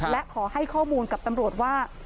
และขอให้ข้อมูลกับตำรวจว่า